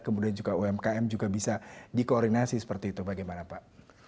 kemudian juga umkm juga bisa dikoordinasi seperti itu bagaimana pak